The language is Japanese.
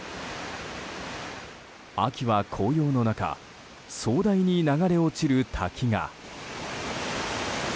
秋は紅葉の中壮大に流れ落ちる滝が。